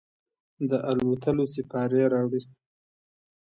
د الوتلوسیپارې راوړي